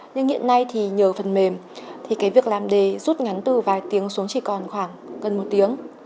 nhưng hiện nay thì nhờ phần mềm thì cái việc làm đề rút ngắn từ vài tiếng xuống chỉ còn khoảng gần một tiếng